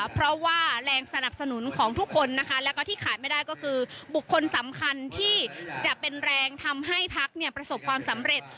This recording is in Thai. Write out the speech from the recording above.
เพราะว่าแรงสนับสนุนของทุกคนนะคะแล้วก็ที่ขาดไม่ได้ก็คือบุคคลสำคัญที่จะเป็นแรงทำให้พักประสบความสำเร็จ